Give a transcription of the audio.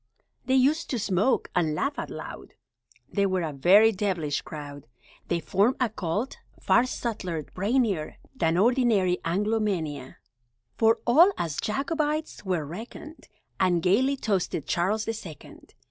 They used to smoke (!) and laugh out loud (!) They were a very devilish crowd! They formed a Cult, far subtler, brainier, Than ordinary Anglomania, For all as Jacobites were reckoned, And gaily toasted Charles the Second!